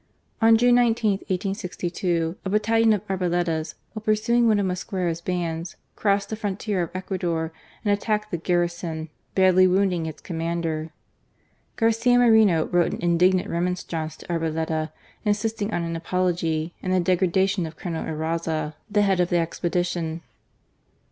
On June 19, 1862, a batallion of Arboleda's while pursu ing one of Mosquera's bands, crossed the frontier of Ecuador and attacked the garrison, badly wounding its commander. Garcia Moreno wrote an indignant remonstrance to Arboleda, insisting on an apology and the degradation of Colonel Eraza, THE DEFEAT OF TULCAN. 127 the head of the expedition.